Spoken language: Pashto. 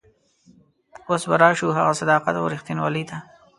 اوس به راشو هغه صداقت او رښتینولي ته.